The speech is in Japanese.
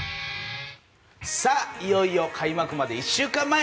いよいよ開幕まで１週間前。